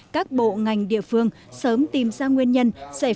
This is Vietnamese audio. các bộ ngành địa phương sớm tìm ra nguyên nhân